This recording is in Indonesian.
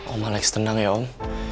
om malex tenang ya om